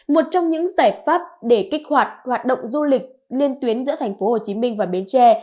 một trong những giải pháp để kích hoạt hoạt động du lịch liên tuyến giữa thành phố hồ chí minh và bến tre